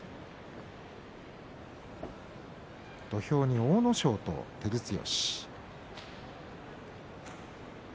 土俵に阿武咲と照強。